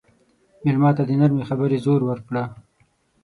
مېلمه ته د نرمې خبرې زور ورکړه.